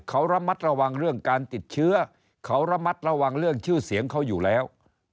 เขาระมัดระวังเรื่องการติดเชื้อเขาระมัดระวังเรื่องชื่อเสียงเขาอยู่แล้ว